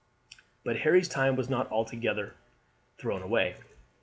But Harry's time was not altogether thrown away.